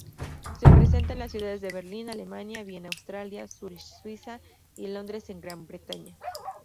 Se presenta en las ciudades de Berlín-Alemania, Viena-Austria, Zurich-Suiza y Londres en Gran Bretaña.